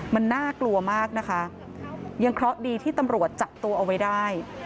มันน่ากลัวมากนะคะยังเคราะห์ดีที่ตำรวจจับตัวเอาไว้ได้